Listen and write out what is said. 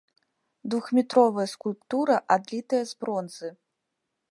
Двухметровая скульптура адлітая з бронзы.